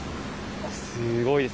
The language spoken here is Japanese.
すごいです。